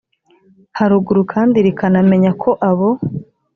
haruguru kandi rikanamenya ko abo